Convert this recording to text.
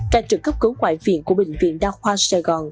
ca trực cấp cứu ngoại viện của bệnh viện đa khoa sài gòn